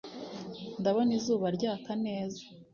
Ndabona izuba ryaka neza